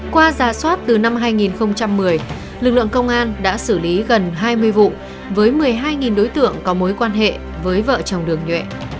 qua giả soát từ năm hai nghìn một mươi lực lượng công an đã xử lý gần hai mươi vụ với một mươi hai đối tượng có mối quan hệ với vợ chồng đường nhuệ